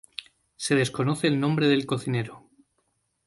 Se desconoce el nombre del cocinero.